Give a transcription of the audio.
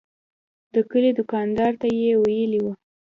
د کلي دوکاندار ته یې ویلي و.